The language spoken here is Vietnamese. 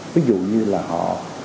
ví dụ như là họ